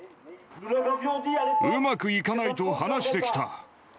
うまくいかないと話してきた。